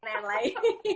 terima kasih banyak